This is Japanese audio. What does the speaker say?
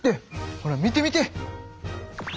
ほら見て見て。